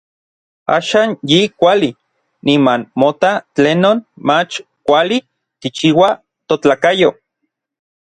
Axan yi kuali, niman mota tlenon mach kuali kichiua totlakayo.